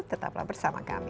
tetaplah bersama kami